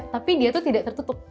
tapi dia tuh tidak tertutup